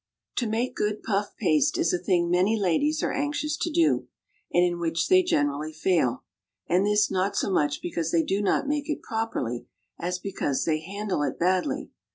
TO MAKE good puff paste is a thing many ladies are anxious to do, and in which they generally fail, and this not so much because they do not make it properly, as because they handle it badly.